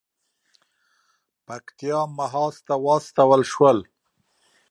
پکتیا محاذ ته واستول شول.